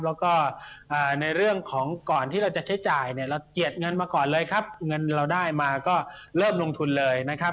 แล้วก็ในเรื่องของก่อนที่เราจะใช้จ่ายเนี่ยเราเจียดเงินมาก่อนเลยครับเงินเราได้มาก็เริ่มลงทุนเลยนะครับ